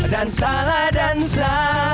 dan salah dansa